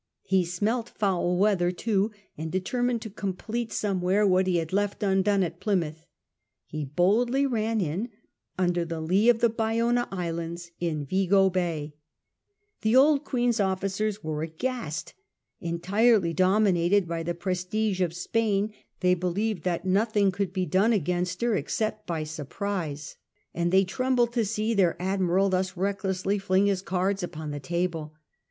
He smelt foul weather, too ; and, determined to complete somewhere what he had left undone at Ply mouth, he boldly ran in under the lee of the Bayona Islands in Vigo Bay. The old Queen's officers were aghast. Entirely dominated by the prestige of Spain, they believed that nothing could be done against her except by surprise, and they trembled to see their Admiral thus recklessly fling his cards upon the table.